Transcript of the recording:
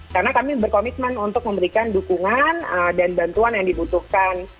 karena kami berkomitmen untuk memberikan dukungan dan bantuan yang dibutuhkan